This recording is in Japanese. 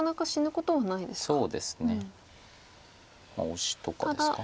オシとかですか。